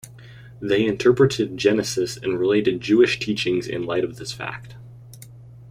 They interpreted Genesis and related Jewish teachings in light of this fact.